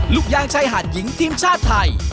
ลูกยางชายหาดหญิงทีมชาติไทย